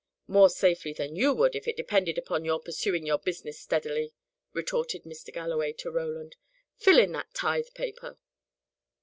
"More safely than you would, if it depended upon your pursuing your business steadily," retorted Mr. Galloway to Roland. "Fill in that tithe paper."